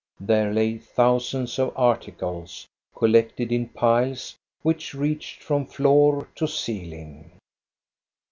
There lay thousands of articles, collected in piles, which reached from floor to ceiling.